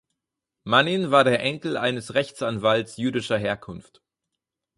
Manin war der Enkel eines Rechtsanwalts jüdischer Herkunft.